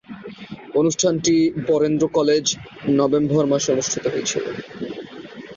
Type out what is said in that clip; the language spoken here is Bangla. অনুষ্ঠানটি বরেন্দ্র কলেজে নভেম্বর মাসে অনুষ্ঠিত হয়েছিলো।